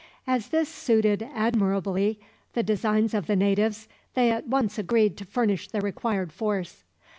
As this suited admirably the designs of the natives, they at once agreed to furnish the required force.